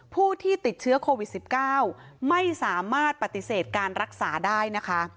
ผู้ที่ติดเชื้อโควิด๑๙ไม่สามารถปฏิเสธการรักษาได้นะคะ